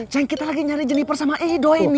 ceng kita lagi nyari jenipers sama ido ini